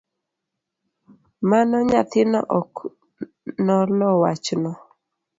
Mano nyathino ok nolo wachno